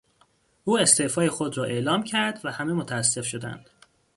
او استعفای خود را اعلام کرد و همه متاسف شدند.